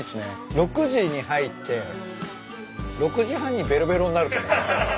６時に入って６時半にべろべろになると思う。